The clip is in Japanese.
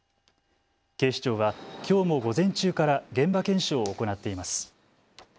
警視庁はきょうも午前中から現場検証を行っています。